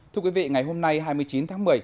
thưa quý vị ngày hôm nay hai mươi chín tháng một mươi